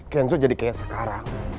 kenzo jadi kayak sekarang